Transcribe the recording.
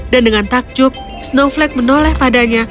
dan dengan takjub snowflake menoleh padanya